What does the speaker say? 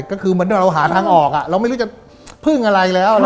ก็คือเหมือนเราหาทางออกเราไม่รู้จะพึ่งอะไรแล้ว